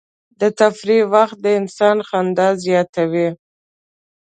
د تفریح وخت د انسان خندا زیاتوي.